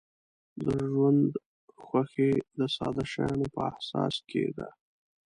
د ژوند خوښي د ساده شیانو په احساس کې ده.